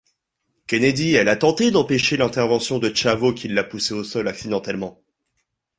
Kennedy elle a tenté d'empêcher l'intervention de Chavo qui l'a poussé au sol accidentellement.